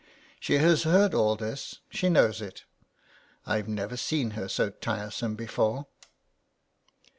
She has heard all this, she knows it. ... I've never seen her so tiresome before."